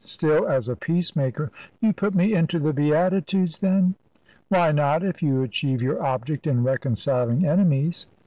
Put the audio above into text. Still, as a peacemaker " "You put me into the Beatitudes, then?" "Why not, if you achieve your object in reconciling enemies?"